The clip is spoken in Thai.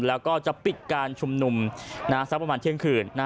แล้วก็จะปิดการชุมนุมสักประมาณเที่ยงคืน